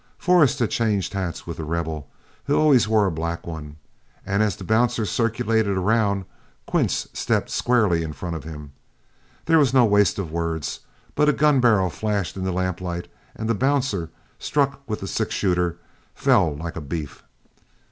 Forrest had changed hats with The Rebel, who always wore a black one, and as the bouncer circulated around, Quince stepped squarely in front of him. There was no waste of words, but a gun barrel flashed in the lamplight, and the bouncer, struck with the six shooter, fell like a beef.